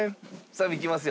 サビきますよ。